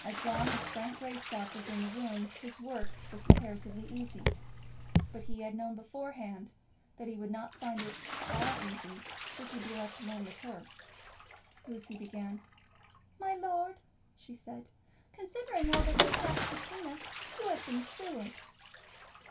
As long as Frank Greystock was in the room, his work was comparatively easy, but he had known beforehand that he would not find it at all easy should he be left alone with her. Lizzie began. "My lord," she said, "considering all that has passed between us, you have been a truant."